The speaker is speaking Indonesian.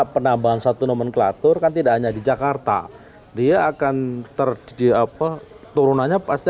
penambahan satu nomenklatur kan tidak hanya di jakarta dia akan terjadi apa turunannya pasti